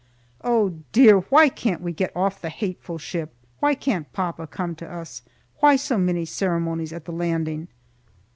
Oh, dear! Why can't we get off the hateful ship? Why can't papa come to us? Why so many ceremonies at the landing?